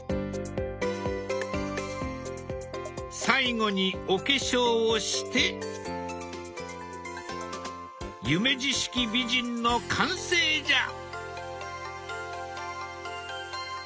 最後にお化粧をして夢二式美人の完成じゃ！